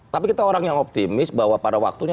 tapi kita orang yang optimis bahwa pada waktunya